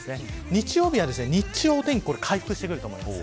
日曜日は日中、お天気回復してくると思います。